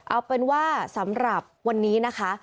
เอาเป็นว่าสำหรับวันนี้นะคะ